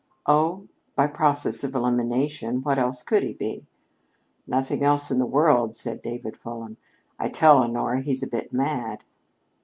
"Oh, by process of elimination. What else could he be?" "Nothing else in all the world," agreed David Fulham. "I tell Honora he's a bit mad."